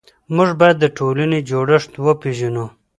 موږ بايد د ټولني جوړښت وپيژنو.